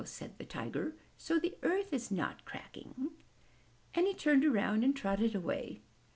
said the Tiger. "So the earth is not cracking!" And he turned around and trotted away.